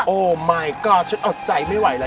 โอ้มายก๊อดฉันอดใจไม่ไหวแล้ว